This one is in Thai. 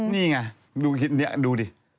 นี่ไงดูดิ